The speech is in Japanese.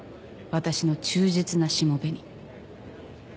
私の忠実なしもべに。